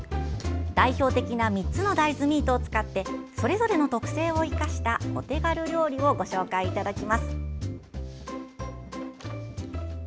代表的な３つの大豆ミートを使ってそれぞれの特性を生かしたお手軽料理をご紹介いただきます。